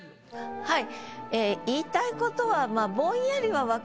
はい。